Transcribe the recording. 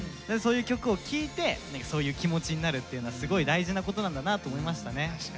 そういう曲を聴いてそういう気持ちになるっていうのはすごい大事なことなんだなと思いましたね。